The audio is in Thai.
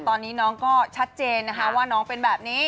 ตอนนี้น้องก็ชัดเจนนะคะว่าน้องเป็นแบบนี้